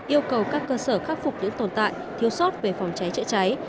yêu cầu các cơ sở khắc phục những tồn tại thiếu sót về phòng cháy chữa cháy